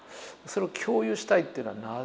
共有したいっていうのはなぜ。